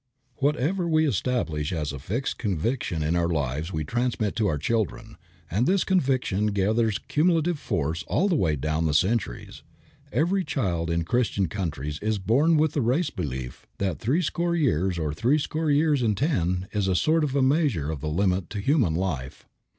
Whatever we establish as a fixed conviction in our lives we transmit to our children, and this conviction gathers cumulative force all the way down the centuries. Every child in Christian countries is born with the race belief that three score years or three score years and ten is a sort of measure of the limit to human life.